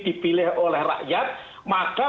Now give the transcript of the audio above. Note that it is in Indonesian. dipilih oleh rakyat maka